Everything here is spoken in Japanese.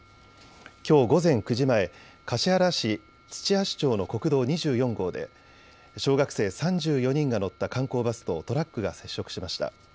きょう午前９時前、橿原市土橋町の国道２４号で小学生３４人が乗った観光バスとトラックが接触しました。